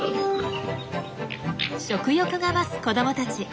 食欲が増す子どもたち。